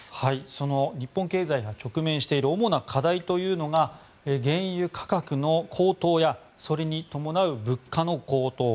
その日本経済が直面している主な課題というのが原油価格の高騰やそれに伴う物価の高騰。